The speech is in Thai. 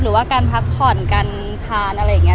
หรือว่าการพักผ่อนการทานอะไรอย่างนี้